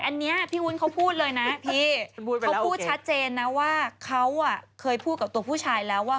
อันนี้พี่วุ้นเขาพูดเลยนะพี่เขาพูดชัดเจนนะว่าเขาเคยพูดกับตัวผู้ชายแล้วว่า